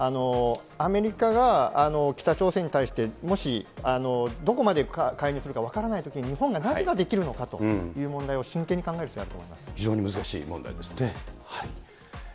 アメリカが北朝鮮に対してもし、どこまで介入するか分からないときに、日本は何ができるのかということを真剣に考える必要があると思い非常に難しい問題ですよね。